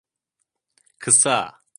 Kısa.